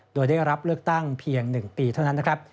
โดยได้รับเลือกตั้งเพียง๑ปีเท่านั้นนะครับ